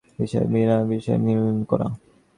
বিষয়ীকে বিষয়ে নয়, বিষয়কে বিষয়ীতে লীন করা।